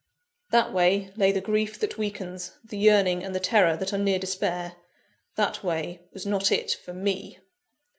That way, lay the grief that weakens, the yearning and the terror that are near despair; that way was not it for _me.